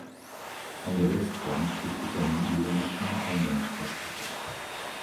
An der Westfront gibt es einen ionischen Eingangsportikus.